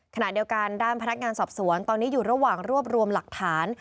ขณะเดียวกันด้านพนักงานสอบสวนตอนนี้อยู่ระหว่างรวบรวมหลักฐาน